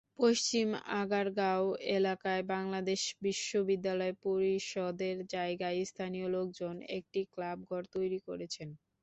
পশ্চিম আগারগাঁও এলাকায় বাংলাদেশ বিশ্ববিদ্যালয় পরিষদের জায়গায় স্থানীয় লোকজন একটি ক্লাবঘর তৈরি করেছেন।